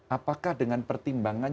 apakah dengan pertimbangan